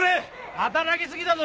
働きすぎだぞ